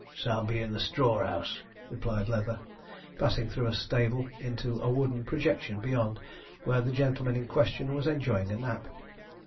'Sam be in the straw 'ouse,' replied Leather, passing through a stable into a wooden projection beyond, where the gentleman in question was enjoying a nap.